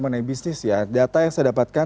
mengenai bisnis ya data yang saya dapatkan